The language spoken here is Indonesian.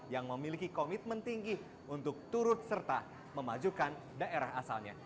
yang memiliki komitmen tinggi untuk turut serta memajukan daerah asalnya